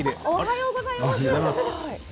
おはようございます。